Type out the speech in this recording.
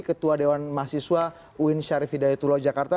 ketua dewan mahasiswa uin syarif hidayatullah jakarta